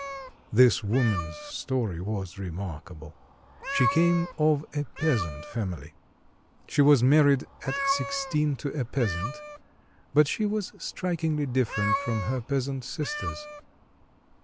This woman's story was remarkable. She came of a peasant family. She was married at sixteen to a peasant; but she was strikingly different from her peasant sisters.